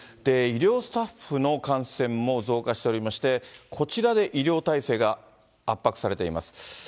医療スタッフの感染も増加しておりまして、こちらで医療体制が圧迫されております。